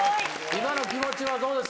今の気持ちはどうですか？